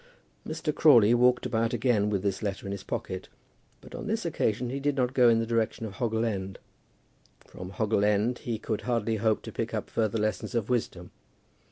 Mr. Crawley walked about again with this letter in his pocket, but on this occasion he did not go in the direction of Hoggle End. From Hoggle End he could hardly hope to pick up further lessons of wisdom.